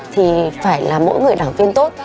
thì phải là mỗi người đảng viên tốt